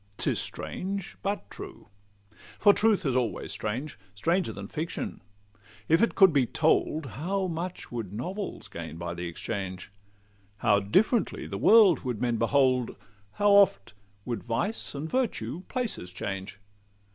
'Tis strange,—but true; for truth is always strange; Stranger than fiction; if it could be told, How much would novels gain by the exchange! How differently the world would men behold! How oft would vice and virtue places change!